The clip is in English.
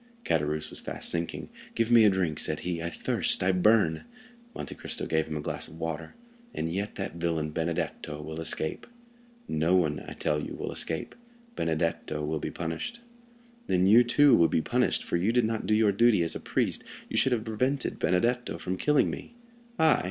Caderousse was fast sinking. "Give me drink," said he: "I thirst—I burn!" Monte Cristo gave him a glass of water. "And yet that villain, Benedetto, will escape!" "No one, I tell you, will escape; Benedetto will be punished." "Then, you, too, will be punished, for you did not do your duty as a priest—you should have prevented Benedetto from killing me." "I?"